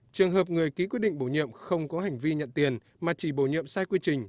trường hợp người ký quyết định bổ nhiệm không có hành vi nhận tiền mà chỉ bổ nhiệm sai quy trình